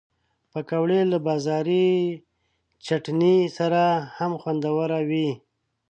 پکورې له بازاري چټني سره هم خوندورې وي